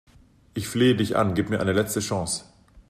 Ich flehe dich an, gib mir eine letzte Chance!